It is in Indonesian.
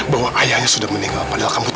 bahwa ayahnya sudah meninggal padahal kamu